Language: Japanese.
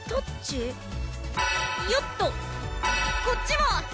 よっとこっちも！